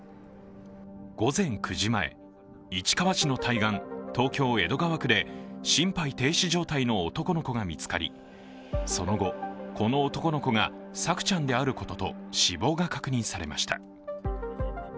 午前９時前、市川市の対岸、東京・江戸川区で心肺停止状態の男の子が見つかりその後、この男の子が朔ちゃんであることと、死亡が確認されました。